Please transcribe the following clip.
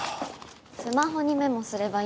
スマホにメモすればいいじゃん。